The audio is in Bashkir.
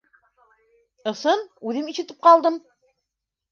Ысын, үҙем ишетеп ҡалдым!